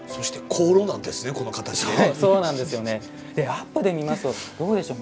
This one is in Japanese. アップで見ますとどうでしょう？